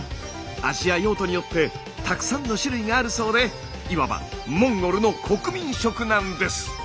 味や用途によってたくさんの種類があるそうでいわばモンゴルの国民食なんです。